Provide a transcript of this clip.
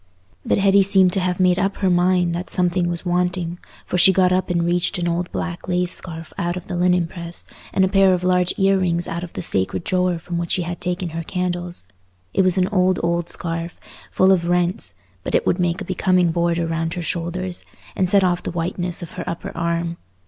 But Hetty seemed to have made up her mind that something was wanting, for she got up and reached an old black lace scarf out of the linen press, and a pair of large ear rings out of the sacred drawer from which she had taken her candles. It was an old old scarf, full of rents, but it would make a becoming border round her shoulders, and set off the whiteness of her upper arm.